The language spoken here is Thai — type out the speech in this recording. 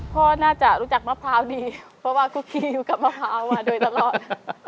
พ่อน่าจะรู้จักมะพร้าวดีเพราะว่ากุ๊กกี้อยู่กับมะพร้าวมาโดยตลอด